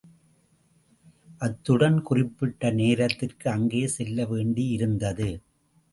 அத்துடன் குறிப்பிட்ட நேரத்திற்கு அங்கே செல்ல வேண்டியிருந்தது.